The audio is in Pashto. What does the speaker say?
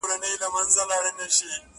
زه او ته یو په قانون له یوه کوره-